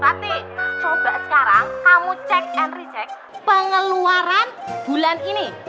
tapi coba sekarang kamu cek and recheck pengeluaran bulan ini